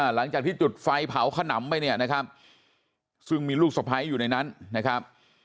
หลังจากที่จุดไฟเผาขนำไปเนี่ยนะครับซึ่งมีลูกสะพ้ายอยู่ในนั้นนะครับ